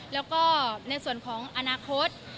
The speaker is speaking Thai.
แล้วก็ในส่วนของอนาคต